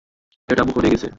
এটা ভরে গেছে!